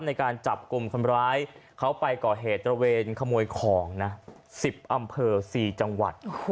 ในการจับกลุ่มคนร้ายเขาไปก่อเหตุตระเวนขโมยของนะ๑๐อำเภอ๔จังหวัด